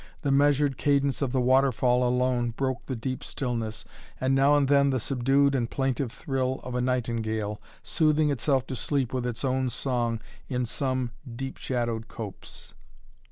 The measured cadence of the waterfall alone broke the deep stillness, and now and then the subdued and plaintive thrill of a nightingale, soothing itself to sleep with its own song in some deep shadowed copse.